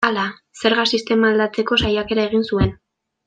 Hala, zerga sistema aldatzeko saiakera egin zuen.